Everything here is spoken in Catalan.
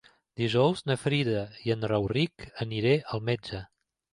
Dijous na Frida i en Rauric aniré al metge.